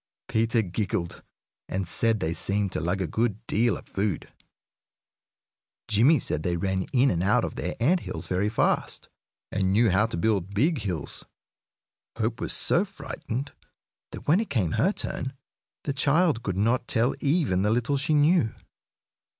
Peter giggled, and said they seemed to lug a good deal of food. Jimmie said they ran in and out of their ant hills very fast, and knew how to build big hills. Hope was so frightened that, when it came her turn, the child could not tell even the little she knew.